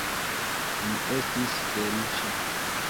Mi estis feliĉa.